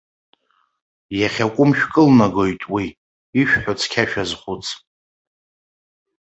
Иахьакәым шәкылнагоит уи, ишәҳәо цқьа шәазхәыц!